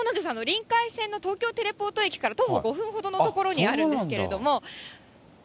りんかい線の東京テレポート駅から徒歩５分ほどの所にあるんですけれども。